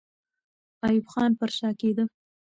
ایوب خان پر شا کېده.